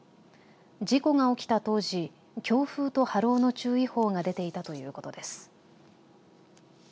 事故が起きた当時強風と波浪の注意報が出ていたということです。